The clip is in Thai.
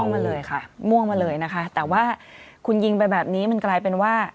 มาเลยค่ะม่วงมาเลยนะคะแต่ว่าคุณยิงไปแบบนี้มันกลายเป็นว่า